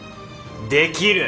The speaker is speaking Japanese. できる。